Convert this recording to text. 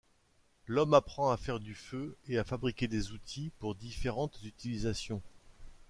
L'homme apprend à faire du feu et à fabriquer des outils pour différentes utilisations.